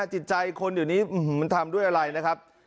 จิตใจคนเดี๋ยวนี้มันทำด้วยอะไรนะครับ